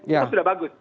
itu sudah bagus